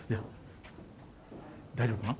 大丈夫かな？